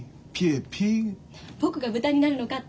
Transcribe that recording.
僕が豚になるのかって。